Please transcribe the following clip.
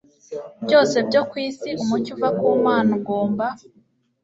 byose byo ku isi umucyo uva ku Mana ugomba